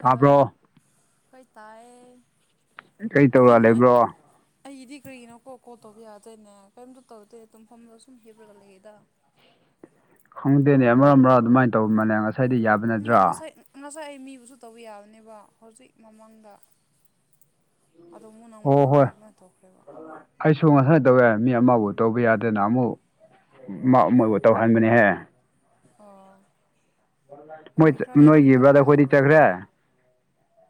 hello ꯍꯣꯏ ꯇꯥꯏꯌꯦ ꯀꯩ ꯇꯧꯔ ꯀꯔꯤꯅꯣ ꯑ ꯂꯩꯕ꯭ꯔꯣ ꯑꯩꯒꯤꯗꯤ ꯀ꯭ꯔꯤꯒꯤꯅꯣꯀꯣ ꯀꯣꯜ ꯇꯧꯕ ꯌꯥꯗꯦꯅꯦ ꯀꯔꯤꯝꯇ ꯇꯧꯗꯦ ꯑꯗꯨꯝ ꯐꯝꯃ ꯁꯨꯝ ꯍꯦꯞꯄꯒ ꯂꯩꯌꯦꯗ ꯈꯪꯗꯦꯅꯦ ꯑꯃꯔꯛ ꯑꯃꯔꯛ ꯑꯗꯨꯃꯥꯏ ꯇꯧꯕ ꯃꯅꯦ ꯉꯁꯥꯏꯗꯩ ꯌꯥ ꯉ ꯉꯁꯥꯏ ꯉꯁꯥꯏ ꯑꯩ ꯃꯤꯕꯨꯁꯨ ꯇꯧꯕ ꯌꯥꯕꯅꯦꯕ ꯍꯧꯖꯤꯛ ꯃꯃꯥꯡꯗ ꯑꯗꯣ ꯃꯨꯛ ꯅꯪꯕꯨ ꯑꯣ ꯇꯧꯕꯗꯩ ꯍꯣꯏ ꯑꯗꯨꯃꯥꯢ ꯇꯧꯈ꯭ꯔꯦꯕ ꯑꯩꯁꯨ ꯉꯁꯥꯏ ꯇꯧꯋꯦ ꯃꯤ ꯑꯃꯕꯨ ꯇꯧꯕ ꯌꯥꯗꯦꯅ ꯑꯃꯨꯛ ꯃ ꯃꯣꯏꯕꯨ ꯇꯧꯍꯟꯕꯅꯦꯍꯦ ꯑꯣ ꯍꯣꯏ ꯃꯣꯏ ꯃꯤ ꯈꯔꯗꯤ ꯑꯗꯨꯝ ꯅꯣꯏꯒꯤ ꯕ꯭ꯔꯗ ꯑꯩꯈꯣꯏꯗꯤ ꯆꯠꯈ꯭ꯔꯦ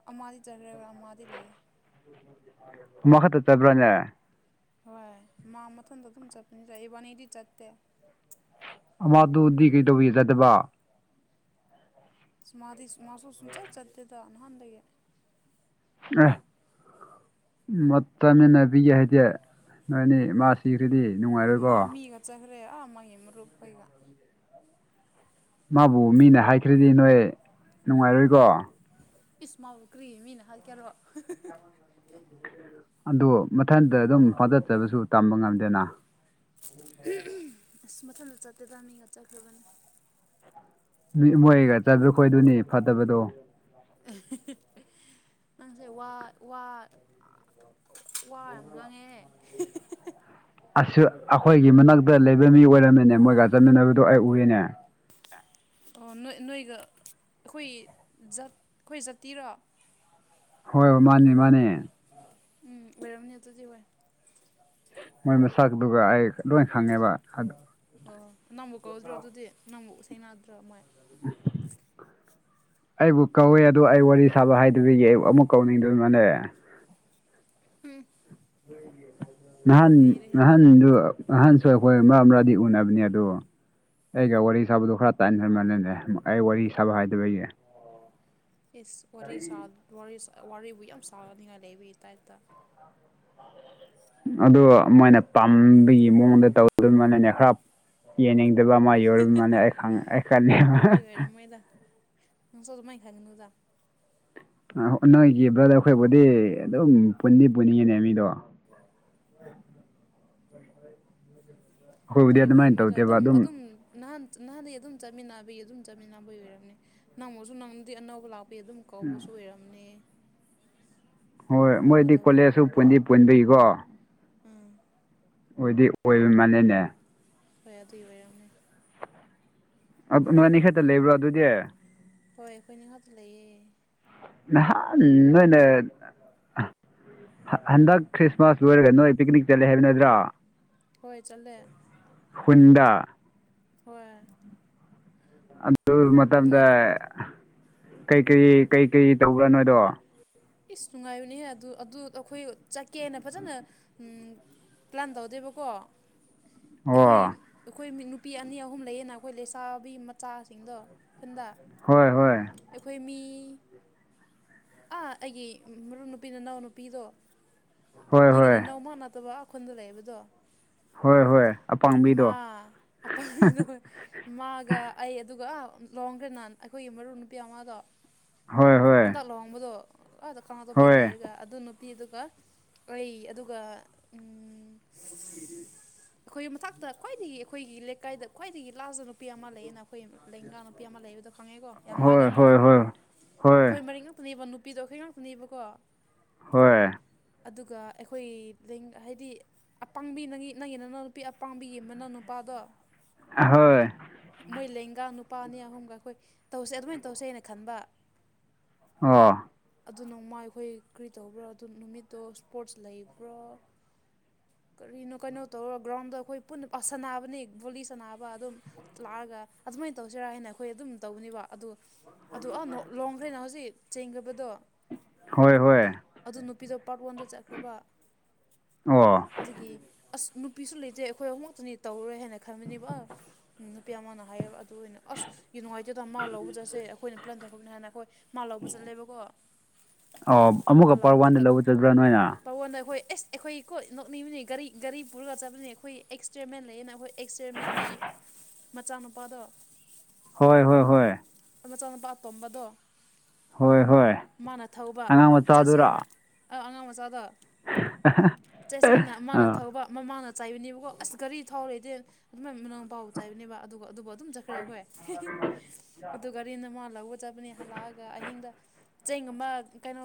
ꯑꯃꯗꯤꯗꯤ ꯆꯠꯈ꯭ꯔꯦꯕ ꯑꯃꯗꯤ ꯂꯩꯌꯦ ꯃꯈꯛꯇ ꯆꯠꯕ꯭ꯔꯣꯅꯦ ꯍꯣꯏ ꯃꯥ ꯃꯊꯟꯗ ꯑꯗꯨꯝ ꯆꯠꯄꯅꯤ ꯆꯥꯛ ꯏꯕꯥꯅꯤꯗꯤ ꯆꯠꯇꯦ ꯑꯃꯗꯨꯗꯤ ꯀꯩ ꯇꯧꯕꯤ ꯆꯗꯕ ꯃꯥꯥꯗꯤ ꯃꯥꯁꯨ ꯁꯨꯝ ꯆꯠ ꯆꯠꯦꯗ ꯅꯍꯥꯟꯗꯒꯤ ꯑꯦ ꯃꯇꯝ ꯏꯟꯅꯕꯤꯒꯦ ꯍꯥꯏꯗꯤ ꯅꯣꯏꯅꯤ ꯃꯥꯁꯤ ꯁꯤꯔꯗꯤꯦ ꯅꯅꯨꯡꯉ ꯃꯥ ꯃꯤꯒ ꯆꯠꯈ꯭ꯔꯦ ꯃꯥꯒꯤꯃ ꯔꯨꯄꯩꯒ ꯃꯥꯕꯨ ꯃꯤꯅ ꯍꯥꯏꯈ꯭ꯔꯗꯤ ꯅꯣꯏ ꯅꯨꯡꯉꯥꯏꯔꯣꯏꯀꯣ ꯏꯁ ꯃꯥꯕꯨ ꯀ꯭ꯔꯤꯒꯤ ꯃꯤꯅ ꯍꯥꯠꯀꯦꯔꯣ ꯑꯗꯨ ꯃꯊꯟꯇ ꯑꯗꯨꯝ ꯍꯣꯇꯠꯆꯔꯁꯨ ꯇꯝꯕ ꯉꯝꯗꯦꯅ ꯑꯁ ꯃꯊꯟꯗ ꯆꯠꯇꯦ ꯃꯤꯒ ꯆꯠꯈ꯭ꯔꯒꯅꯤ ꯃꯤ ꯃꯣꯏꯒ ꯆꯠꯄ ꯈꯣꯏꯗꯨꯅꯤ ꯐꯠꯇꯕꯗꯣ ꯅꯪꯁꯦ ꯋꯥ ꯋꯥ ꯋꯥ ꯌꯥꯝ ꯉꯥꯡꯉꯦꯍꯦ ꯑꯁꯁꯨ ꯑꯩꯈꯣꯏꯒꯤ ꯃꯅꯥꯛꯇ ꯂꯩꯕ ꯃꯤ ꯑꯣꯏꯔꯝꯃꯤꯅꯦ ꯃꯣꯏꯒ ꯆꯠꯃꯤꯟꯅꯕꯗꯣ ꯑꯩ ꯎꯏꯅꯦ ꯑꯣ ꯅꯣꯏ ꯅꯣꯏꯒ ꯑꯩꯈꯣꯏ ꯑꯩꯈꯣꯏ ꯖꯥꯠꯇꯤꯔꯣ ꯍꯣꯏ ꯍꯣꯏ ꯃꯥꯅꯦ ꯃꯥꯅꯦ ꯎꯝ ꯕꯔꯅꯤ ꯑꯗꯨꯗꯤ ꯍ ꯃꯣꯏ ꯃꯁꯛꯇꯨꯒ ꯑꯩ ꯂꯣꯏ ꯈꯪꯉꯦꯕ ꯑꯣ ꯅꯪꯕꯨ ꯀꯧꯗ꯭ꯔꯣ ꯑꯗꯨꯗꯤ ꯅꯪꯕꯨ ꯁꯦꯡꯅꯗ꯭ꯔꯣ ꯃꯣꯏ [inaudible] ꯑꯩꯕꯨ ꯀꯧꯏꯦ ꯑꯗꯨꯗꯣ ꯑꯩ ꯋꯥꯔꯤ ꯁꯥꯕ ꯍꯥꯏꯗꯨꯗꯒꯤ ꯑꯩ ꯑꯃꯨꯛ ꯀꯧꯅꯤꯡꯗꯃꯅꯦ ꯎꯝ ꯅꯍꯥꯟ ꯂꯩꯔꯦꯍꯦ ꯅꯍꯟꯗꯨ ꯅꯍꯥꯟꯁꯨ ꯑꯩꯈꯣꯏ ꯃꯔꯛ ꯃꯔꯛꯗꯤ ꯎꯅꯕꯅꯦ ꯑꯗꯣ ꯑꯩꯒ ꯋꯥꯔꯤ ꯁꯥꯕꯗꯣ ꯈꯔ ꯇꯥꯏꯅ ꯈꯔꯃꯜꯂꯦꯅꯦ ꯑꯩ ꯋꯥꯔꯤ ꯁꯥꯕ ꯍꯥꯏꯗꯕ ꯑꯩꯒꯤ ꯌꯦꯁ ꯋꯥꯔꯤꯔꯤꯕꯨ ꯌꯥꯝ ꯁꯥꯅꯤꯉꯥꯏ ꯂꯩꯕꯤ ꯇꯥꯏꯇꯥ ꯑ ꯃꯣꯏꯅ ꯄꯥꯝꯕꯒꯤ ꯃꯑꯣꯡꯗ ꯇꯧꯗꯃꯅꯅꯦ ꯈꯔ ꯌꯥꯡꯅꯤꯡꯗꯕ ꯑꯃ ꯌꯧ ꯃꯥꯅ ꯅꯪ ꯆꯣ ꯑꯗꯨꯣ ꯃꯥꯏꯈꯒꯅ ꯃꯖꯝ ꯅꯣꯏꯒꯤ ꯕ꯭ꯔꯗꯔ ꯑꯩꯈꯣꯏꯕꯨꯗꯤ ꯑꯗꯨꯝ ꯄꯨꯟꯗꯤ ꯄꯨꯅꯤꯡꯉꯤꯅꯦ ꯃꯤꯗꯣ ꯑꯩꯈꯣꯏꯕꯨꯗꯤ ꯑꯗꯨꯒꯤ ꯑꯗꯨꯃꯥꯏꯅ ꯑꯣꯏꯔꯝꯃꯣꯏꯗ ꯇꯧꯗꯦꯕ ꯑꯗꯨꯝ ꯑꯗꯨꯝ ꯅꯍꯥꯟ ꯅꯍꯥꯟꯩ ꯑꯗꯨꯝ ꯆꯠꯃꯤꯟꯅꯕꯒꯤ ꯑꯗꯨꯝ ꯆꯠꯃꯤꯟꯅꯕꯒꯤ ꯑꯣꯏꯔꯝꯅꯤ ꯅꯪꯃꯁꯨ ꯅꯪꯅꯗꯤ ꯑꯅꯧꯕ ꯂꯥꯛꯄ ꯑꯗꯨꯝ ꯀꯧꯕꯁꯨ ꯑꯣꯏꯔꯝꯅꯦ ꯍꯣꯏ ꯍꯣꯏ ꯃꯣꯏꯗꯤ ꯇꯧꯕꯤ ꯀꯣꯂꯦꯖꯁꯨ ꯑꯣꯏꯔꯝꯅꯤꯗ ꯄꯨꯟꯗꯤ ꯄꯨꯟꯕꯒꯤꯀꯣ ꯎꯝ ꯑꯣꯏꯗꯤ ꯑꯣꯏꯕ ꯃꯥꯅꯅꯦ ꯍꯣꯏ ꯑꯗꯨꯏ ꯑꯣꯏꯔꯝꯃꯦ ꯅꯣꯏ ꯑꯅꯤ ꯈꯛꯇ ꯂꯩꯕ꯭ꯔꯣ ꯑꯗꯨꯗꯤ ꯍꯣꯏ ꯑꯩꯈꯣꯏ ꯅꯤꯡ ꯉꯥꯛꯇ ꯂꯩꯌꯦꯦ ꯅꯍꯥꯟ ꯅꯣꯏꯅꯦ ꯍꯟꯗꯛ ꯈ꯭ꯔꯤꯁꯃꯥꯁ ꯂꯣꯏꯔꯒ ꯅꯣꯏ ꯄꯤꯛꯅꯤꯛ ꯆꯠꯂꯦ ꯍꯥꯏꯕ ꯅꯠꯇ꯭ꯔꯥ ꯍꯣꯏ ꯆꯠꯂꯦ ꯍꯨꯟꯗ ꯍꯣꯏ ꯑꯗꯨ ꯃꯇꯝꯗ ꯅꯨꯡꯉꯥꯏ ꯀꯩꯀꯔꯤ ꯀꯩꯀꯔꯤ ꯇꯧꯕ꯭ꯔꯥ ꯅꯣꯏꯗꯣ ꯏꯁ ꯅꯨꯡꯉꯥꯏꯕꯅꯦꯍ ꯑꯗꯨ ꯑꯗꯨ ꯑꯩꯈꯣꯏ ꯆꯠꯀꯦꯅ ꯐꯖꯅ ꯄ꯭ꯂꯥꯟ ꯇꯧꯗꯦꯕꯀꯣ ꯑꯩꯈꯣꯏ ꯑꯣ ꯑꯩꯈꯣꯏ ꯅꯨꯄꯤ ꯑꯅꯤ ꯑꯍꯨꯝ ꯂꯩꯌꯦꯅ ꯑꯩꯈꯣꯏ ꯂꯩꯁꯥꯕꯤ ꯃꯆꯥꯁꯤꯡꯗꯣ ꯈꯨꯟꯗ ꯍꯣꯏ ꯍꯣꯏ ꯑꯩꯈꯣꯏ ꯃꯤ ꯑꯥ ꯑꯩꯒꯤ ꯃꯔꯨꯞ ꯅꯨꯄꯤ ꯅꯅꯥꯎ ꯅꯨꯄꯤꯗꯣ ꯍꯣꯏ ꯅꯪꯒꯤ ꯅ ꯍꯣꯏ ꯅꯎ ꯃꯥ ꯅꯠꯇꯕ ꯈꯨꯜꯗ ꯂꯩꯕꯗꯣ ꯍꯣꯏ ꯍꯣꯏ ꯑꯄꯥꯡꯕꯤꯗꯣ ꯃꯥ ꯑꯄꯥꯝꯕꯤꯗꯣ ꯃꯥꯒ ꯑꯩ ꯑꯗꯨꯒ ꯑ ꯂꯨꯍꯣꯡꯒ꯭ꯔꯦꯅꯥ ꯑꯩꯈꯣꯏꯒꯤ ꯃꯔꯨꯞ ꯅꯨꯄꯤ ꯑꯃꯗꯣ ꯍꯣꯏ ꯍꯣꯏ ꯇ ꯂꯨꯍꯣꯡꯕꯗꯨ ꯑꯗ ꯀꯪꯂꯥꯇꯣꯝꯕꯤꯗ ꯍꯣꯏ ꯂꯩꯔꯒ ꯑꯗꯨ ꯅꯨꯄꯤ ꯑꯗꯨꯒ ꯑꯩ ꯑꯗꯨꯒ ꯑꯩꯈꯣꯏꯒꯤ ꯃꯊꯛꯇ ꯈ꯭ꯋꯥꯏꯗꯒꯤ ꯑꯩꯈꯣꯏꯒꯤ ꯂꯩꯀꯥꯏꯗ ꯈ꯭ꯋꯥꯏꯗꯒꯤ ꯂꯥꯖ ꯅꯨꯄꯤ ꯑꯃ ꯂꯩꯌꯦꯅ ꯑꯩꯈꯣꯏ ꯂꯦꯡꯒꯥꯥꯡ ꯅꯨꯄꯤ ꯑꯃ ꯂꯩꯕꯗꯣ ꯈꯪꯉꯦꯀꯣ ꯌꯥꯝ ꯍꯣꯏ ꯅꯥꯒꯟꯕꯗꯣ ꯍꯣꯏ ꯍꯣꯏ ꯍꯣꯏ ꯑꯩꯈꯣꯏ ꯃꯔꯤ ꯉꯥꯛꯇꯅꯦꯕ ꯅꯨꯄꯤꯗꯣ ꯑꯩꯈꯣꯏ ꯉꯥꯛꯇꯅꯦꯕꯀꯣ ꯍꯣꯏ ꯑꯗꯨꯒ ꯑꯩꯈꯣꯏ ꯍꯥꯏꯗꯤ ꯑꯄꯥꯡꯕꯤ ꯅꯪꯒꯤ ꯅꯪꯒꯤ ꯅꯅ ꯅꯨꯄꯤ ꯑꯄꯥꯕꯤ ꯌꯦꯡꯕꯅ ꯅꯨꯄꯥꯗꯣ ꯑ ꯍꯣꯏ ꯃꯣꯏ ꯂꯦꯡꯒ ꯅꯨꯄꯥ ꯑꯅꯤ ꯑꯍꯨꯝꯒ ꯑꯩꯈꯣꯏ ꯇꯧꯁꯦ ꯑꯗꯨꯃꯥꯏ ꯇꯧꯁꯦ ꯍꯥꯏꯅ ꯈꯟꯕ ꯑꯣ ꯑꯗꯨ ꯅꯣꯡꯃꯥꯏ ꯈꯣꯏ ꯀꯔꯤ ꯇꯧꯕ꯭ꯔꯥ ꯑꯗꯨ ꯅꯨꯃꯤꯠꯇꯣ ꯏꯁꯄꯣꯔꯠꯁ ꯂꯩꯕ꯭ꯔꯥ ꯀꯔꯤꯅꯣ ꯀꯩꯅꯣ ꯇꯧꯔꯒ ꯒ꯭ꯔꯥꯎꯟꯗꯣ ꯑꯩꯈꯣꯏ ꯄꯨꯟꯅ ꯁꯥꯟꯅꯕꯅꯦ ꯕꯣꯂꯤ ꯁꯥꯟꯅꯕ ꯑꯗꯨꯝ ꯂꯥꯛꯑꯒ ꯑꯗꯨꯃꯥꯏꯅ ꯇꯧꯁꯤꯔꯥ ꯍꯥꯏꯅ ꯑꯩꯈꯣꯏ ꯑꯗꯨꯝ ꯇꯧꯅꯦꯕ ꯑꯗꯨ ꯑꯗꯨ ꯑꯥ ꯅꯣ ꯂꯨꯍꯣꯡꯈ꯭ꯔꯦꯅ ꯍꯧꯖꯤꯛ ꯆꯦꯟꯒꯤꯕꯗꯨ ꯍꯣꯏ ꯍꯣꯏ ꯑꯗꯨ ꯅꯨꯄꯤꯗꯣ ꯄꯥꯔꯠ ꯋꯥꯟꯗ ꯆꯠꯈ꯭ꯔꯕ ꯑꯣ ꯑꯗꯨꯒꯤ ꯑꯁ ꯅꯨꯄꯤꯁꯨ ꯂꯩꯇꯦ ꯑꯩꯈꯣꯏ ꯑꯍꯨꯝꯈꯛꯇꯅꯤ ꯇꯧꯔꯔꯣꯏ ꯍꯥꯏꯅ ꯈꯟꯕꯅꯦꯕ ꯑ ꯎꯝ ꯅꯨꯄꯤ ꯑꯃꯅ ꯍꯧꯔꯒ ꯑꯗꯨ ꯑꯣꯏꯅ ꯑꯁ ꯌꯥꯝ ꯅꯨꯡꯉꯥꯏꯇꯦꯗ ꯃꯥ ꯂꯧꯕꯗꯁꯦ ꯑꯩꯈꯣꯏꯅ ꯄ꯭ꯂꯥꯟ ꯇꯧꯈ꯭ꯔꯕꯅꯤ ꯍꯥꯏꯅ ꯑꯈꯣꯏ ꯃꯥ ꯂꯧꯕ ꯆꯠꯂꯦꯕꯀꯣ ꯑꯣ ꯃꯥ ꯑꯃꯨꯛꯀ ꯄꯥꯔꯠ ꯂꯧꯕ ꯋꯥꯟꯗ ꯆꯠꯂ ꯈꯣꯏ ꯆꯠꯄ꯭ꯔꯥ ꯅꯣꯏꯅ [unintelligible] ꯑꯈꯣꯏ ꯑꯦꯁ ꯑꯩꯈꯣꯏ ꯀꯣ ꯅꯣꯛꯅꯤꯡꯕꯅꯤ ꯒꯥꯔꯤ ꯒꯥꯔꯤ ꯄꯨꯔꯒ ꯆꯠꯄꯅꯤ ꯑꯩꯈꯣꯏ ꯑꯦꯛꯁꯄꯔꯤꯃꯦꯟ ꯂꯩꯌꯦꯅ ꯑꯩꯈꯣꯏ ꯑꯦꯛꯁꯄꯔꯤꯃꯦꯟꯒꯤ ꯃꯆꯥꯅꯨꯄꯥꯗꯣ ꯍꯣꯏ ꯍꯣꯏ ꯍꯣꯏ ꯃꯆꯥꯅꯨꯄꯥ ꯇꯣꯝꯕꯗꯣ ꯍꯣꯏ ꯍꯣꯏ ꯃꯥꯅ ꯊꯧꯕ ꯑꯉꯥꯡ ꯆꯠꯁꯦꯅ ꯃꯆꯥꯗꯨꯔꯥ ꯑ ꯑꯉꯥꯡ ꯃꯆꯥꯒ ꯆꯠꯁꯦꯅ ꯃꯥꯅ ꯑꯥ ꯊꯧꯕ ꯃꯃꯥꯡꯗ ꯆꯥꯏꯕꯅꯦꯕꯀꯣ ꯑꯁ ꯒꯥꯔꯤ ꯊꯥꯎꯔꯤꯇꯦ [unintelligible] ꯆꯥꯏꯕꯅꯦꯕ ꯑꯗꯨꯒ ꯑꯗꯨꯕꯨ ꯑꯗꯨꯝ ꯆꯠꯈ꯭ꯔꯦ ꯑꯩꯈꯣꯏ ꯑꯗꯨ ꯒꯥꯔꯤꯅ ꯃꯥ ꯂꯧꯒ ꯆꯠꯄꯅꯤ ꯍꯜꯂꯛꯑꯒ ꯑꯍꯤꯡꯗ ꯆꯦꯡꯒꯨꯝꯕ ꯀꯩꯅꯣ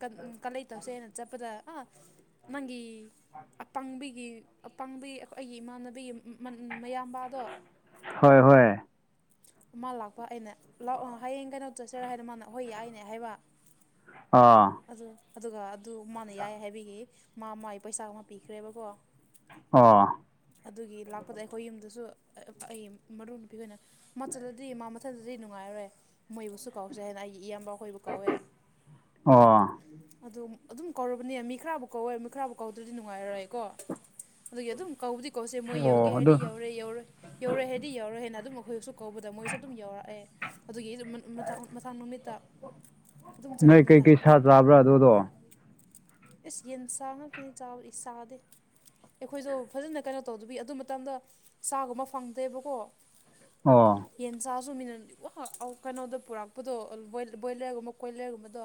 ꯀꯝ ꯀ ꯂꯩꯇꯕꯁꯦ ꯑꯩ ꯆꯠꯄꯗ ꯑꯥ ꯅꯪꯒꯤ ꯑꯄꯪꯕꯤꯒꯤ ꯑꯄꯪꯕꯤ ꯑꯩꯈꯣꯏ ꯑꯩꯒꯤ ꯏꯃꯥꯟꯅꯕꯤꯒꯤ ꯃꯌꯥꯝꯕꯗꯣ ꯍꯣꯏ ꯍꯣꯏ ꯃꯥ ꯂꯥꯛꯄ ꯑꯩꯅ ꯂꯥꯛꯑꯣ ꯍꯌꯦꯡ ꯀꯩꯅꯣ ꯆꯠꯁꯤꯔꯣ ꯍꯥꯏꯅ ꯃꯥꯅ ꯍꯣꯏ ꯌꯥꯏꯅꯦ ꯍꯥꯏꯕ ꯑꯣ ꯑꯣ ꯑꯗꯨ ꯑꯗꯨꯒ ꯑꯗꯨ ꯃꯥꯅ ꯌꯥꯏ ꯍꯥꯏꯕꯒꯤ ꯃꯥ ꯃꯥꯒꯤ ꯄꯩꯁꯥ ꯑꯃ ꯄꯤꯈ꯭ꯔꯦꯕꯀꯣ ꯑꯣ ꯑꯗꯨꯒꯤ ꯂꯥꯛꯄꯗ ꯑꯩꯈꯣꯏ ꯌꯨꯝꯗꯨꯁꯨ ꯑꯩ ꯃꯔꯨꯞ ꯅꯨꯄꯤꯍꯣꯏꯅ ꯃꯥ ꯆꯠꯂꯗꯤ ꯃꯥ ꯃꯥ [unintelligible] ꯅꯨꯡꯉꯥꯏꯔꯔꯣꯏ ꯃꯣꯏꯕꯨꯁꯨ ꯀꯧꯎꯁꯦ ꯍꯥꯏꯅ ꯑꯩꯒꯤ ꯏꯌꯥꯝꯕ ꯈꯣꯏ ꯀꯧꯋꯦ ꯑꯣ ꯑꯗꯨꯅꯤ ꯑꯗꯨꯝ ꯀꯧꯔꯕꯅꯦ ꯃꯤ ꯈꯔꯕꯨ ꯀꯧꯋꯦ ꯃꯤ ꯈꯔꯕꯨ ꯀꯧꯗ꯭ꯔꯗꯤ ꯅꯨꯡꯉꯥꯏꯔꯔꯣꯏꯀꯣ ꯑꯗꯨꯒꯤ ꯑꯗꯨꯝ ꯀꯧꯕꯗꯤ ꯀꯧꯁꯦ ꯃꯣꯏ ꯌꯧꯒꯦ ꯑꯣ ꯑꯗꯨ ꯍꯥꯏꯗꯤ ꯌꯧꯔꯦ ꯌꯧꯔꯣꯏ ꯌꯧꯔꯣꯏ ꯍꯥꯏꯔꯗꯤ ꯌꯧꯔꯣꯏ ꯍꯥꯏꯅ ꯑꯗꯨꯝ ꯑꯈꯣꯏꯁꯨ ꯀꯧꯕꯗ ꯃꯣꯏꯁꯨ ꯑꯗꯨꯝ ꯌꯥꯎꯔꯛꯑꯦ ꯑꯗꯨꯒꯤ ꯑꯩꯗꯣ ꯃꯨ ꯃꯊꯥꯡ ꯃꯊꯡ ꯅꯨꯃꯤꯠꯇ ꯑꯗꯨꯝ ꯅꯣꯏ ꯆꯠꯄꯅꯤꯗ ꯀꯩꯀꯩ ꯁꯥ ꯆꯥꯕ꯭ꯔꯥ ꯑꯗꯨꯗꯣ ꯏꯁꯁꯤ ꯏꯟꯁꯥꯟꯁ ꯅ ꯆꯥꯎꯥꯎ ꯏꯤꯁꯥꯗ ꯑꯩꯈꯣꯏꯗꯣ ꯐꯖꯅ ꯀꯩꯅꯣ ꯇꯧꯗꯕꯤ ꯑꯗꯨ ꯃꯇꯝꯗ ꯆꯥꯒꯨꯝꯕ ꯐꯪꯗꯦꯕꯀꯣ ꯑꯥ ꯌꯦꯟ ꯆꯥꯁꯨ ꯃꯤꯅꯗꯤ ꯋꯥ ꯑꯧ ꯀꯩꯅꯣꯗ ꯄꯨꯔꯛꯄꯗꯣ ꯕꯣꯏꯂꯔꯒꯨꯝꯕ ꯀꯣꯏꯂꯔꯒꯨꯝꯕꯗꯣ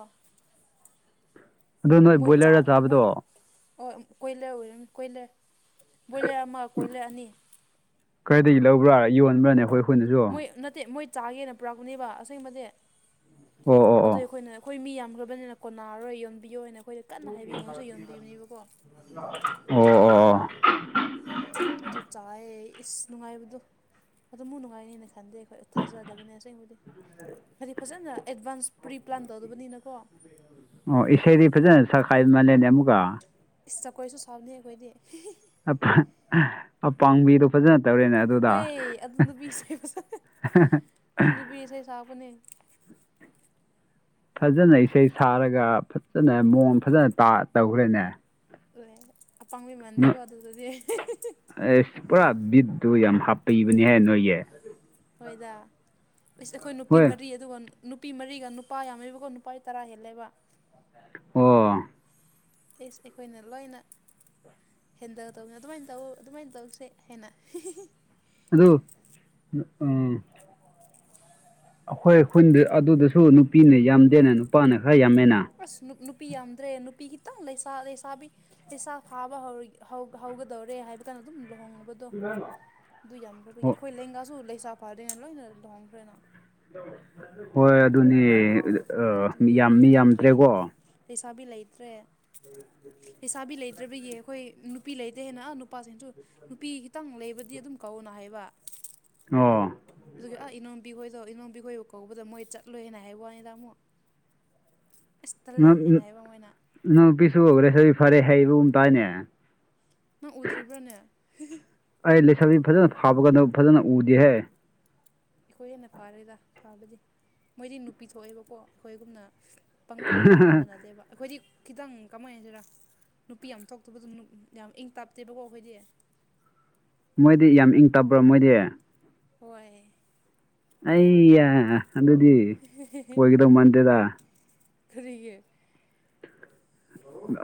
ꯑꯗꯨ ꯅꯣꯏ ꯃꯣꯏ ꯆꯥꯛ ꯕꯣꯏꯂꯔꯔ ꯃꯣꯏ ꯆꯥꯕꯗꯣ ꯑꯣ ꯀꯣꯏꯂꯔ ꯑꯣꯏꯔꯅꯤ ꯀꯣꯏꯂꯔ ꯕꯣꯏꯂꯔ ꯑꯃ ꯀꯣꯏꯂꯔ ꯑꯅꯤ ꯀꯔꯥꯏꯗꯒꯤ ꯂꯧꯕ꯭ꯔꯥ ꯌꯣꯟꯕ꯭ꯔꯥꯅꯦ ꯑꯈꯣꯏ ꯃꯣꯏ ꯅꯠꯇꯦ ꯃꯣꯏ ꯆꯥꯒꯦꯅ ꯄꯨꯔꯛꯄꯅꯦꯕ ꯑꯁꯦꯡꯕꯗꯤ ꯑꯣ ꯑꯣ ꯑꯗꯨ ꯑꯩꯈꯣꯏꯅ ꯑꯩꯈꯣꯏ ꯃꯤ ꯌꯥꯝꯈ꯭ꯔꯕꯅꯤꯅ ꯀꯣꯟꯅꯥꯔꯔꯣꯏ ꯌꯣꯟꯕꯤꯌꯣꯅ ꯑꯩꯈꯣꯏꯗ ꯀꯟꯅ ꯍꯥꯏꯕꯤ ꯌꯣꯟꯁꯨ ꯌꯣꯟꯕꯤꯕꯅꯦꯕꯀꯣ ꯑꯣ ꯑꯣ ꯑꯗꯨ ꯆꯥꯏ ꯏꯁ ꯅꯨꯡꯉꯥꯏꯕꯗꯣ ꯑꯗꯨ ꯃꯨꯛ ꯅꯨꯡꯉꯥꯏꯅꯤꯅꯦ ꯈꯟꯗꯦ ꯑꯩꯈꯣꯏ ꯊꯥꯖꯗꯕꯅꯦ ꯑꯁꯦꯡꯕꯗꯤ ꯍꯥꯏꯗꯤ ꯐꯖꯅ ꯑꯦꯗꯚꯥꯟꯁ ꯄ꯭ꯔꯤꯄ꯭ꯂꯥꯟ ꯇꯧꯗꯕꯅꯤꯅꯀꯣ ꯑꯣ ꯏꯁꯩꯗꯤ ꯐꯖꯅ ꯁꯀꯥꯏ ꯃꯂꯦꯟꯅꯦ ꯑꯃꯨꯛꯀ ꯆꯖꯀꯣꯏꯁꯨ ꯁꯥꯕꯅꯤ ꯑꯩꯈꯣꯏꯗꯤ ꯑꯄꯥꯕꯤꯗꯣ ꯐꯖꯅ ꯇꯧꯔꯦꯅꯦ ꯑꯗꯨꯗ ꯍꯣꯏ ꯑꯗꯨ ꯅꯨꯄꯤ ꯏꯁꯩ ꯑꯗꯨ ꯅꯨꯄꯤ ꯏꯁꯩ ꯁꯛꯄꯅꯦ ꯐꯖꯅ ꯏꯁꯩ ꯁꯥꯔꯒ ꯐꯖꯅ ꯃꯑꯣꯡ ꯐꯖꯅ ꯇꯧꯈ꯭ꯔꯦꯅꯦ ꯑꯣꯏ ꯑꯄꯥꯥꯡꯕ ꯃꯥꯟꯗꯦꯀꯣ ꯅꯣ- ꯑꯗꯨꯗꯗꯤ ꯑꯦꯁ ꯄꯨꯔꯥ ꯕꯤꯠꯇꯨ ꯌꯥꯝ ꯍꯥꯞꯄꯤꯕꯅꯤꯍ ꯅꯣꯏꯒꯤ ꯍꯣꯏꯗꯁ ꯑꯩꯈꯣꯏ ꯅꯨꯄꯤ ꯍꯣꯏ ꯃꯔꯤ ꯑꯗꯨꯒ ꯅꯨꯄꯤ ꯃꯔꯤꯒ ꯅꯨꯄꯥ ꯌꯥꯝꯃꯦꯕꯀꯣ ꯅꯨꯄꯥ ꯇꯔꯥ ꯍꯦꯜꯂꯦꯕ ꯑꯣ ꯑꯦꯁ ꯑꯩꯈꯣꯏꯅ ꯂꯣꯏꯅ ꯍꯦꯟꯗ ꯇꯧꯕꯅꯤꯅ ꯑꯗꯨꯃꯥꯏꯅ ꯇꯧ ꯑꯗꯨꯃꯥꯏꯅ ꯇꯧꯔꯤꯁꯦ ꯍꯦꯟꯅ ꯑꯗꯣ ꯎꯝ ꯑꯩꯈꯣꯏ ꯈꯨꯈꯟꯗ ꯑꯗꯨꯗꯁꯨ ꯅꯨꯄꯤꯅ ꯌꯥꯝꯗꯦꯅ ꯅꯨꯄꯥꯅ ꯈꯔ ꯌꯥꯝꯃꯦꯅ ꯑꯁ ꯅꯨ ꯅꯨꯄꯤ ꯌꯥꯝꯗ꯭ꯔꯦ ꯅꯨꯄꯤꯒꯤꯈꯤꯇꯪ ꯂꯩꯁꯥ ꯂꯩꯁꯥꯕꯤ ꯄꯩꯁꯥ ꯐꯥꯕ ꯍꯧꯒꯗꯧꯔꯦ ꯍꯥꯏꯕ ꯀꯥꯟꯗ ꯑꯗꯨꯝ ꯂꯨꯍꯣꯡꯕ ꯎꯝ ꯑꯗꯨ ꯌꯥꯝꯈ꯭ꯔꯕꯒꯤ ꯑꯩꯈꯣꯏ ꯂꯦꯡꯒꯥꯁꯨ ꯂꯩꯁꯥ ꯐꯥꯗꯣꯏꯅ ꯂꯣꯏꯅ ꯂꯍꯣꯡꯈ꯭ꯔꯦꯅ ꯍꯣꯏ ꯑꯗꯨꯅꯦ ꯑꯗꯨꯒꯤ ꯌꯥꯝ ꯃꯤ ꯂꯩꯇ꯭ꯔꯦ ꯌꯥꯝꯗ꯭ꯔꯦꯀꯣ ꯂꯩꯁꯥꯕꯤ ꯂꯩꯇ꯭ꯔꯦ ꯂꯩꯁꯥꯕꯤ ꯂꯩꯇ꯭ꯔꯕꯌꯦ ꯑꯩꯈꯣꯏ ꯅꯨꯄꯤ ꯂꯩꯇꯦ ꯍꯦꯟꯅ ꯅꯨꯄꯥꯁꯤꯡꯁꯨ ꯅꯨꯄꯤ ꯈꯤꯇꯪ ꯂꯩꯕꯗꯤ ꯑꯗꯨꯝ ꯀꯧꯋꯅ ꯍꯥꯏꯕ ꯑꯣ ꯑꯗꯨꯒꯤ ꯑ ꯏꯅꯣꯝꯕꯤꯍꯣꯏꯗꯣ ꯏꯅꯣꯝꯕꯤ ꯍꯣꯏꯕꯨ ꯀꯧꯕꯗ ꯃꯣꯏ ꯆꯠꯂꯣꯏ ꯍꯥꯏꯅ ꯍꯥꯏꯕ ꯋꯥꯅꯤ ꯇꯥꯃꯣ ꯑꯁ ꯇꯜꯂꯦ ꯅ- ꯍꯥꯏꯅ ꯍꯥꯏꯕ ꯃꯣꯏꯅ ꯅ ꯄꯁꯨ ꯍꯧ꯭ꯔꯦꯁꯨ ꯐꯔꯦ ꯍꯩꯕ ꯎꯝ ꯇꯥꯏꯅꯦ ꯅꯪ ꯎꯗ꯭ꯔꯤꯕ꯭ꯔꯥꯅꯦ ꯑꯩ ꯂꯩꯁꯁꯤ ꯐꯖꯅ ꯐꯥꯕꯒꯗꯣ ꯐꯖꯅ ꯎꯗꯤꯦꯍꯦ ꯑꯩꯈꯣꯏ ꯍꯦꯟꯅ ꯐꯥꯔꯦꯗ ꯐꯥꯕꯗꯤ ꯃꯣꯏꯗꯤ ꯅꯨꯄꯤ ꯊꯣꯛꯑꯦꯕꯀꯣ ꯑꯩꯈꯣꯏꯒꯨꯝꯅ ꯄꯪꯂꯪꯗ ꯂꯥꯡꯝꯕ ꯅꯠꯇꯦꯕ ꯑꯩꯈꯣꯏꯗꯤ ꯈꯤꯇꯪ ꯀꯃꯥꯏꯅꯁꯤꯔ ꯅꯨꯄꯤ ꯌꯥꯝ ꯊꯣꯛꯇꯕꯗꯨ ꯌꯥꯝ ꯏꯪ ꯇꯞꯇꯦꯕꯀꯣ ꯑꯩꯈꯣꯏꯗꯤ ꯃꯣꯏꯗꯤ ꯌꯥꯝ ꯏꯪ ꯇꯕ꯭ꯔꯣ ꯃꯣꯏꯗꯤ ꯍꯣꯏ ꯑꯩ ꯑꯗꯨꯗꯤ ꯑꯣꯏꯒꯗꯧ ꯃꯥꯟꯗꯦꯗ ꯐꯔꯤꯌꯦ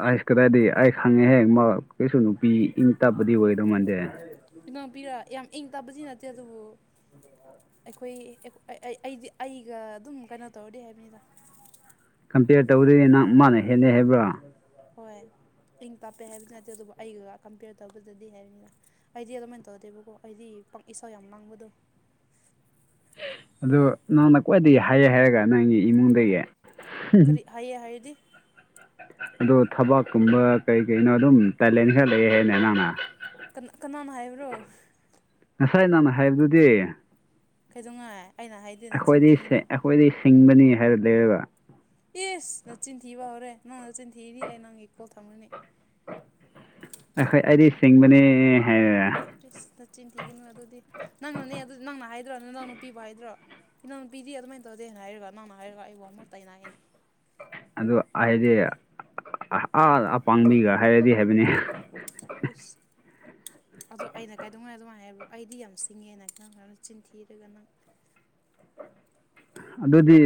ꯑꯁ ꯀꯗꯥꯏꯗꯤ ꯑꯩꯁ ꯍꯪꯉꯦ ꯍꯦꯛ ꯃꯥ ꯀꯩꯁꯨ ꯅꯨꯄꯤ ꯏꯪ ꯇꯞꯄꯗꯤ ꯑꯣꯏꯗꯧ ꯃꯥꯟꯗꯦ ꯀꯅꯥꯣꯝ ꯄꯤꯔ ꯌꯥꯝ ꯏꯪ ꯇꯥꯗꯤ ꯅꯠꯇꯦ ꯑꯗꯨꯕꯨ ꯑꯩꯈꯣꯏꯗꯤ ꯑꯩꯒ ꯑꯗꯨꯝ ꯀꯩꯅꯣ ꯇꯧꯔꯗꯤ ꯍꯥꯏꯕꯅꯤꯗ ꯀꯝꯄꯤꯦꯌꯔ ꯇꯧꯗꯣꯏꯦ ꯅꯪ ꯃꯥꯅ ꯍꯦꯟꯅꯩ ꯍꯥꯏꯕ꯭ꯔꯥ ꯍꯣꯏ ꯏꯪ ꯇꯥꯛꯞꯄꯦ ꯍꯥꯏꯕꯗꯤ ꯅꯠꯇꯦ ꯑꯗꯨꯕꯨ ꯑꯩꯒꯗ ꯀꯝꯄꯦꯌꯔ ꯇꯧꯕꯗꯗꯤ ꯍꯥꯏꯕꯅꯤꯅ ꯑꯩꯗꯤ ꯑꯗꯨꯃꯥꯏꯅ ꯇꯧꯔꯗꯦꯕꯀꯣ ꯑꯩꯗꯤ ꯏꯁꯥꯎ ꯌꯥꯝ ꯂꯥꯡꯕꯗꯣ ꯑꯗꯨ ꯅꯪꯅ ꯈ꯭ꯋꯥꯏꯗꯒꯤ ꯍꯥꯏꯌꯦ ꯍꯥꯏꯔꯒ ꯅꯪꯒꯤ ꯏꯃꯨꯡꯗꯒꯤ ꯀꯔꯤ ꯍꯥꯏꯌꯦ ꯍꯥꯏꯗꯤ ꯑꯗꯣ ꯊꯕꯥꯛꯀꯨꯝꯕ ꯀꯩ ꯀꯩꯅꯣ ꯑꯗꯨꯝ ꯇꯦꯂꯦꯟ ꯈꯔ ꯂꯩ ꯍꯥꯏꯅꯦ ꯅꯪꯅ ꯀ ꯀꯅꯥꯅ ꯍꯥꯏꯕ꯭ꯔꯣ ꯉꯁꯥꯏ ꯅꯍꯪꯅ ꯍꯥꯏꯕꯗꯨꯗꯤ ꯀꯩꯗꯧꯉꯥꯏꯦ ꯑꯩꯅ ꯍꯥꯏ ꯑꯩꯈꯣꯏꯗꯤ ꯑꯩꯈꯣꯏꯗꯤ ꯁꯤꯡꯕꯅꯤ ꯍꯥꯏꯔ ꯂꯩꯔꯒ ꯑꯦꯁ ꯅ ꯆꯤꯟꯊꯤꯕ ꯍꯧꯔꯦ ꯅꯪꯅ ꯆꯤꯟꯊꯤꯗꯤ ꯑꯩ ꯅꯪꯒꯤ ꯀꯣꯜ ꯊꯝꯅꯤ ꯑꯈꯣꯏ ꯑꯩꯗꯤ ꯁꯤꯡꯕꯅꯦ ꯍꯥꯏ ꯏꯁꯁ ꯅꯆꯤꯟ ꯊꯤꯒꯅꯨ ꯑꯗꯨꯗꯤ ꯅꯪꯅꯅꯦ ꯑꯗꯨ ꯅꯪꯅ ꯍꯥꯏꯗ꯭ꯔꯣ ꯅ ꯅꯪꯅ ꯄꯤꯕ ꯍꯥꯏꯗ꯭ꯔꯣ ꯏ ꯅꯪꯅ ꯄꯤꯗꯤꯔꯤ ꯑꯗꯨꯃꯥꯏꯅ ꯇꯧꯗꯦꯅ ꯍꯥꯏꯔꯒ ꯅꯪꯅ ꯍꯥꯏꯔꯒ ꯑꯩꯕꯨꯥꯎ ꯑꯃ ꯇ ꯑꯩꯅ ꯍꯥꯏꯅꯦ ꯑꯗꯨ ꯑꯩꯗꯤ ꯑꯥ ꯑ ꯄꯥꯡꯕꯤꯒ ꯍꯥꯏꯔꯗꯤ ꯍꯥꯏꯕꯅꯤ ꯅꯅꯤꯁ ꯑꯗꯣ ꯑꯩꯅ ꯀꯥꯏꯗꯧꯉꯥꯏ ꯑꯗꯨꯃꯥꯏ ꯍꯥꯏꯕ꯭ꯔꯣ ꯑꯩꯗꯤ ꯌꯥꯝ ꯁꯤꯡꯉꯦꯅ ꯈꯈꯤꯪ ꯈꯅ ꯆꯤꯟꯊꯤꯔꯒꯅꯪ ꯑꯗꯨꯗꯤ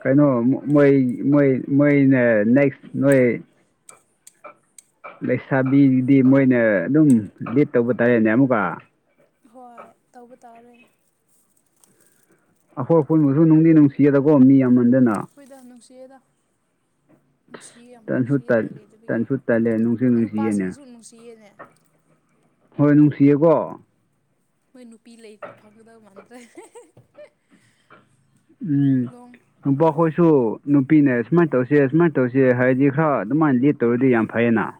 ꯀꯩꯅꯣ ꯃꯣꯏ ꯃꯣꯏ ꯃꯣꯏꯅ ꯅꯦꯛꯁ ꯅꯣꯏ ꯂꯩꯁꯥꯕꯤꯗꯨꯗꯤ ꯃꯣꯏꯅ ꯑꯗꯨꯝ ꯂꯤꯦꯞ ꯇꯧꯕ ꯇꯥꯔꯦꯅꯦ ꯑꯃꯨꯛꯀ ꯍꯣꯏ ꯇꯧꯕ ꯇꯥꯔꯦ ꯑꯩꯈꯣꯏ ꯑꯄꯨꯟꯕꯁꯨ ꯅꯨꯡꯗꯤ ꯅꯨꯡꯁꯤꯒꯗꯀꯣ ꯃꯤ ꯑꯃꯟꯗꯅ ꯑꯩꯈꯣꯏꯗ ꯅꯨꯡꯁꯤꯦꯗ ꯅꯨꯡꯁꯤꯌꯦ ꯌꯥꯝ ꯇꯟꯁꯨ ꯅꯨꯡꯁꯤꯌꯦ ꯃꯤ ꯂꯩ ꯑꯗꯨꯒꯤ ꯇꯟꯁꯨ ꯇꯜꯂꯦ ꯅꯨꯡꯁꯨ ꯅꯨꯡꯁꯤꯌꯦꯅꯦ ꯅꯨꯄꯥꯁꯤꯡꯁꯨ ꯅꯨꯡꯁꯤꯌꯦꯅꯦ ꯍꯣꯏ ꯅꯨꯡꯁꯤꯌꯦꯀꯣ ꯃꯣꯏ ꯅꯨꯄꯤ ꯂꯩ ꯐꯪꯒꯗꯕ ꯃꯥꯟꯗ꯭ꯔꯦ ꯎꯝ ꯂꯣꯡ ꯅꯨꯄꯥꯈꯣꯏꯁꯨ ꯅꯨꯄꯤꯅꯦ ꯁꯨꯃꯥꯏꯅ ꯇꯧꯁꯦ ꯁꯨꯃꯥꯏꯅ ꯇꯧꯁꯦ ꯍꯥꯏꯔꯗꯤ ꯈꯔ ꯑꯗꯨꯃꯥꯏꯅ ꯂꯤꯦꯠ ꯇꯧꯔꯗꯤ ꯌꯥꯝ ꯐꯩꯌꯦꯅ [inaudible]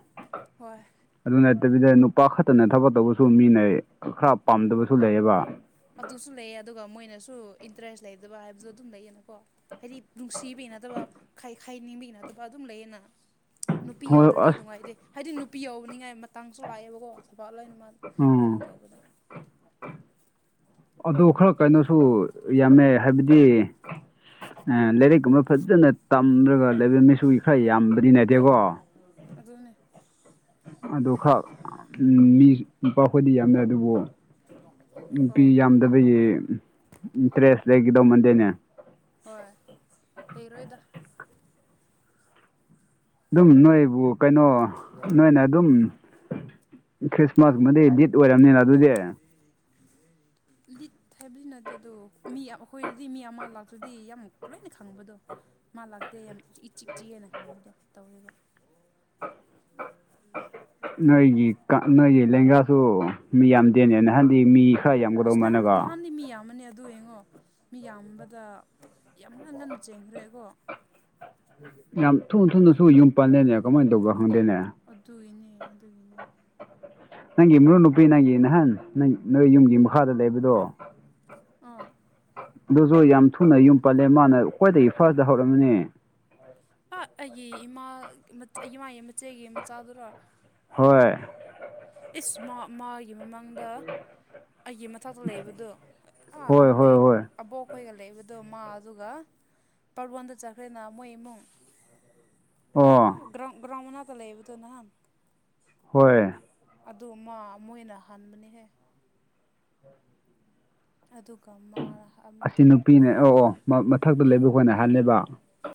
ꯍꯣꯏ ꯑꯗꯨ ꯅꯠꯇꯕꯤꯗ ꯅꯨꯄꯥ ꯈꯛꯇꯅ ꯊꯕꯛ ꯇꯧꯕꯁꯨ ꯃꯤꯅ ꯈꯔ ꯄꯥꯝꯗꯕꯁꯨ ꯂꯩꯌꯦꯕ ꯑꯗꯨꯁꯨ ꯂꯩꯑ ꯑꯗꯨꯒ ꯃꯣꯏꯅꯁꯨ ꯏꯟꯇꯔꯦꯁ ꯂꯩꯗꯕ ꯍꯥꯏꯕꯁꯨ ꯑꯗꯨꯝ ꯂꯩꯌꯦꯅꯀꯣ ꯍꯥꯏꯗꯤ ꯅꯨꯡꯁꯤꯕꯒꯤ ꯅꯠꯇꯕ ꯈꯥꯏ ꯈꯥꯏꯅꯤꯡꯕꯒꯤ ꯅꯠꯇꯕ ꯑꯗꯨꯝ ꯂꯩꯌꯦꯅ ꯅꯨꯄꯤ ꯍꯣꯏ ꯌꯥꯎꯗ꯭ꯔꯗꯤ ꯑꯁ ꯅꯨꯡꯉꯥꯏꯇꯦ ꯍꯥꯏꯗꯤ ꯅꯨꯄꯤ ꯌꯥꯎꯕꯅꯤꯉꯥꯏ ꯃꯇꯥꯡꯁꯨ ꯂꯥꯛꯑꯦꯕꯀꯣ ꯁꯐꯕꯥꯠ ꯂꯩꯥꯏ ꯅꯨꯃ ꯎꯝ [inaudible] ꯑꯗꯨ ꯈꯔ ꯀꯩꯅꯣꯁꯨ ꯌꯥꯝꯃꯦ ꯍꯥꯏꯕꯗꯤ ꯑ ꯂꯥꯏꯔꯤꯛꯀꯨꯝꯕ ꯐꯖꯅ ꯇꯝꯂꯒ ꯂꯩꯕ ꯃꯤꯁꯨꯒꯤ ꯈꯔ ꯌꯥꯝꯕꯗꯤ ꯅꯗꯦꯀꯣ ꯑꯗꯨ ꯑꯗꯨꯅꯦ ꯑꯗꯨ ꯈꯔ ꯃꯤ ꯂꯄꯥ ꯑꯩꯈꯣꯏꯗꯤ ꯌꯥꯝꯗꯦ ꯑꯗꯨꯕꯨ ꯑꯣ ꯅꯨꯄꯤꯤ ꯌꯥꯝꯗꯕꯒꯤ ꯏꯟꯇꯔꯦꯁ ꯂꯩꯒꯗꯧ ꯃꯟꯗꯦꯅꯦ ꯍꯣꯏ ꯂꯩꯔꯣꯏꯗ ꯑꯗꯨꯝ ꯅꯣꯏꯕꯨ ꯀꯩꯅꯣ ꯅꯣꯏꯅ ꯑꯗꯨꯝ ꯈ꯭ꯔꯤꯁꯃꯥꯁꯃꯗꯤ ꯗꯤꯠ ꯑꯣꯏꯔꯕꯝꯅꯤꯅ ꯑꯗꯨꯗꯤ ꯂꯤꯠ ꯍꯥꯏꯕꯗꯤ ꯅꯠꯇꯦ ꯑꯗꯣ ꯃꯤ ꯑꯩꯈꯣꯏꯗꯗꯤ ꯃꯤ ꯑꯃ ꯂꯥꯛꯇ꯭ꯔꯗꯤ ꯌꯥꯝ ꯂꯣꯏꯅ ꯈꯪꯕꯗꯣ ꯃꯥ ꯂꯥꯛꯇꯦ ꯌꯥꯝ ꯏ ꯆꯤꯛ ꯆꯤꯛꯏꯅꯦ ꯍꯥꯪꯕꯥꯗꯣ ꯇꯧꯔꯤꯕꯥ ꯅꯣꯏꯒꯤ ꯅꯣꯏꯒꯤ ꯂꯦꯡꯒꯥꯁꯨ ꯃꯤ ꯌꯥꯝꯗꯦꯅꯦ ꯅꯍꯥꯟꯗꯤ ꯃꯤ ꯈꯔ ꯌꯥꯝꯒꯗꯧ ꯑꯁ ꯅꯍꯥꯟ ꯃꯥꯜꯂꯒ ꯅꯍꯥꯟꯗꯤ ꯃꯤ ꯌꯥꯝꯃꯅꯦ ꯑꯗꯨ ꯌꯦꯡꯉꯣ ꯃꯤ ꯌꯥꯝꯕꯗ ꯌꯥꯝ ꯉꯟꯅ ꯉꯟꯅ ꯆꯦꯟꯈ꯭ꯔꯦꯀꯣ ꯌꯥꯝ ꯊꯨꯅ ꯊꯨꯅꯁꯨ ꯌꯨꯝ ꯄꯜꯂꯦꯅꯦ ꯀꯃꯥꯏꯅ ꯇꯧꯕ ꯈꯪꯗꯦꯅꯦ ꯑꯗꯨꯒꯤꯅꯦ ꯑꯗꯨꯒꯤꯅꯦ ꯅꯪꯒꯤ ꯃꯔꯨꯞ ꯅꯨꯨꯄꯤ ꯅꯪꯒꯤ ꯅꯍꯥꯟ ꯅꯪ ꯅꯣꯏ ꯌꯨꯝꯒꯤ ꯃꯈꯥꯗ ꯂꯩꯕꯗꯣ ꯑꯥ ꯑꯗꯨꯁꯨ ꯌꯥꯝ ꯊꯨꯅ ꯌꯨꯝ ꯄꯜꯂꯦ ꯃꯥꯅ ꯈ꯭ꯋꯥꯏꯗꯒꯤ ꯐꯥꯔꯁꯇ ꯍꯧꯔꯝꯅꯤ ꯑ ꯑꯩꯒꯤ ꯏꯃꯥ ꯏꯃꯥꯒꯤ ꯃꯆꯦꯒꯤ ꯃꯆꯥꯗꯨꯔꯣ ꯍꯣꯏ ꯏꯁ ꯃꯥ ꯃꯥꯒꯤ ꯃꯃꯥꯡꯗ ꯑꯩꯒꯤ ꯃꯊꯛꯇ ꯂꯩꯕꯗꯣ ꯑ ꯍꯣꯏ ꯑꯍꯥꯟ ꯍꯣꯏ ꯑꯩ ꯍꯣꯏ ꯑꯕꯣꯛꯈꯣꯏꯒ ꯂꯩꯕꯗꯣ ꯃꯥ ꯑꯗꯨꯒ ꯄꯔꯕꯣꯟꯗ ꯆꯠꯈ꯭ꯔꯦꯅ ꯃꯣꯏ ꯏꯃꯨꯡ ꯑꯣ ꯑꯥ꯭ꯔ ꯭ꯔꯥꯍꯃꯅꯥꯇ ꯂꯩꯕꯗꯨꯅ ꯍꯣꯏ ꯑꯗꯨ ꯑꯃ ꯃꯣꯏꯅ ꯍꯟꯕꯅꯤꯍꯦ ꯑꯗꯨꯒ ꯃꯥ ꯑꯃꯨꯛ ꯑꯁꯤ ꯆꯠꯈ꯭ꯔꯦ ꯅꯨꯄꯤꯅꯦ ꯑꯣ ꯑꯣ ꯃꯊꯛꯇ ꯂꯩꯕ ꯈꯈꯣꯏꯅ ꯍꯥꯏꯂꯦꯕ